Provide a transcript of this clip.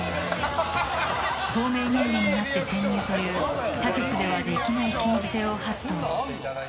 透明人間になって潜入という他局ではできない禁じ手を発動。